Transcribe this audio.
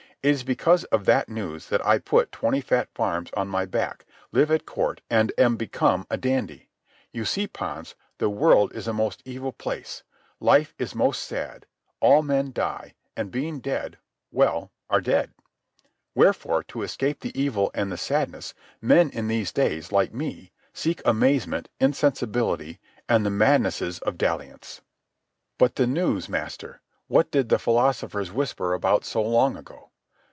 It is because of that news that I put twenty fat farms on my back, live at Court, and am become a dandy. You see, Pons, the world is a most evil place, life is most sad, all men die, and, being dead ... well, are dead. Wherefore, to escape the evil and the sadness, men in these days, like me, seek amazement, insensibility, and the madnesses of dalliance." "But the news, master? What did the philosophers whisper about so long ago?"